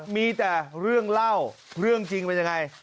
มีแต่เรื่องเล่าเรื่องจริงเป็นยังไง